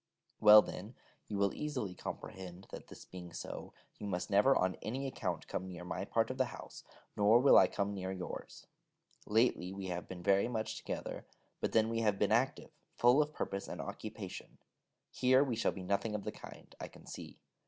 Well, then, you will easily comprehend, that this being so, you must never on any account come near my part of the house, nor will I come near yours. Lately we have been very much together, but then we have been active, full of purpose and occupation: here we shall be nothing of the kind, I can see.